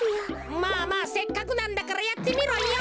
まあまあせっかくなんだからやってみろよ。